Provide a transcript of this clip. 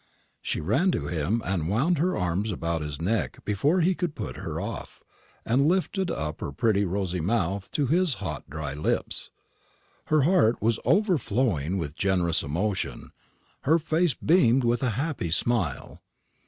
She ran to him, and wound her arms about his neck before he could put her off, and lifted up her pretty rosy mouth to his dry hot lips. Her heart was overflowing with generous emotion, her face beamed with a happy smile.